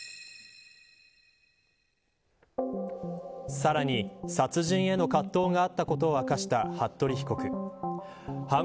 さらに、殺人への葛藤があったことを明かした服部被告。